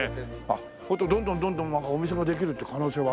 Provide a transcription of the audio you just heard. あっホントどんどんどんどんお店ができるって可能性はあるね。